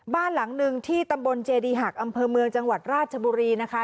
บ้านหลังหนึ่งที่ตำบลเจดีหักอำเภอเมืองจังหวัดราชบุรีนะคะ